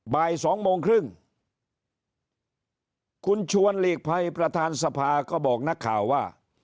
บ่ายสองโมงครึ่งคุณชวนหลีกภัยประธานสภาก็บอกนักข่าวว่า